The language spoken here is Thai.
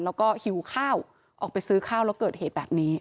แล้วก็หิวข้าวออกไปซื้อข้าวแล้วเกิดเหตุแบบนี้